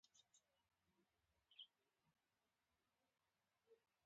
د کلا دننه او شاوخوا کلیساوې او یهودانو معبدونه دي.